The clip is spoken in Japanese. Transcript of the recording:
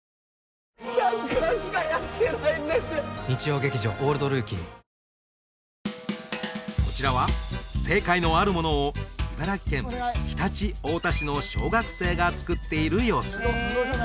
あーこちらは正解のあるものを茨城県常陸太田市の小学生が作っている様子